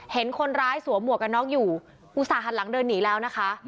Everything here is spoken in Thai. เห็นคนร้ายสวมหมวกกันน็อกอยู่อุตส่าหันหลังเดินหนีแล้วนะคะ